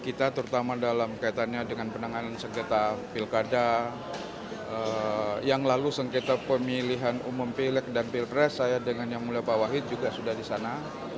kita terutama dalam kaitannya dengan penanganan sengketa pilkada yang lalu sengketa pemilihan umum pilek dan pilpres saya dengan yang mulia pak wahid juga sudah di sana